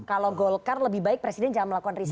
kalau golkar lebih baik presiden jangan melakukan riset